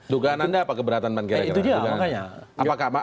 dugaan anda apa keberatan pan